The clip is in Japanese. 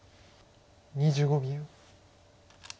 ２５秒。